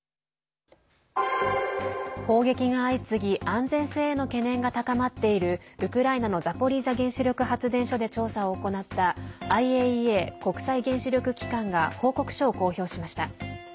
砲撃が相次ぎ安全性への懸念が高まっているウクライナのザポリージャ原子力発電所で調査を行ったＩＡＥＡ＝国際原子力機関が報告書を公表しました。